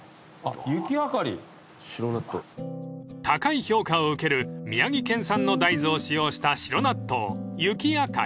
［高い評価を受ける宮城県産のダイズを使用した白納豆］